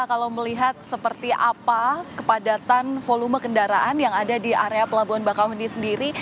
kalau melihat seperti apa kepadatan volume kendaraan yang ada di area pelabuhan bakauheni sendiri